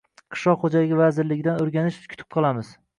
Qishloq xo‘jaligi vazirligidan o‘rganish kutib qolamiz.